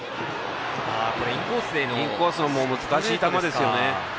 インコースの難しい球ですよね。